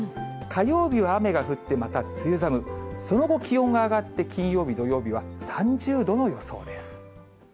火曜日は雨が降って、また梅雨寒、その後、気温が上がって、金曜日、土曜日は、３０度の予想です。